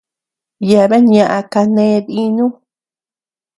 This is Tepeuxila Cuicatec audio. Yeabean ñaʼa kané dínu.